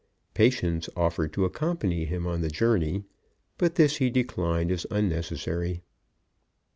Patience offered to accompany him on the journey, but this he declined as unnecessary.